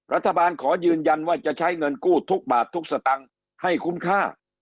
รัฐบาลขอยืนยันว่าจะใช้เงินกู้ทุกบาททุกสตางค์ให้คุ้มค่า